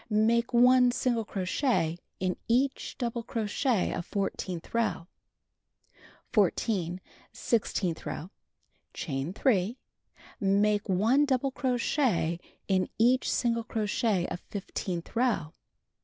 Make 1 single crochet in each double crochet of fourteenth row. 14. Sixteenth row: Chain 3. Make 1 double crochet in each single crochet of fifteenth row.